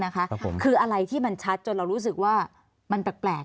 คืออะไรที่มันชัดจนเรารู้สึกว่ามันแปลก